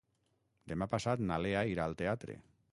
Demà passat na Lea irà al teatre.